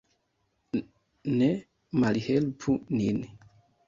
Ne malhelpu nin.